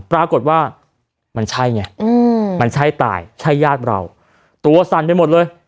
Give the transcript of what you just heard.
ปรากฏว่ามันใช่ไงมันใช่ตายใช่ญาติเราตัวสั่นไปหมดเลย